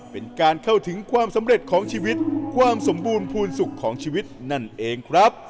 เป็นการเข้าถึงความสำเร็จของชีวิตความสมบูรณภูมิสุขของชีวิตนั่นเองครับ